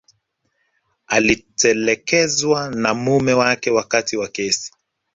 alitelekezwa na mume wake wakati wa kesi